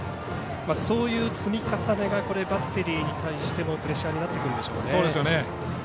そういう積み重ねがバッテリーに対してもプレッシャーになりますね。